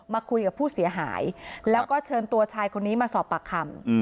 มาคุยกับผู้เสียหายแล้วก็เชิญตัวชายคนนี้มาสอบปากคำ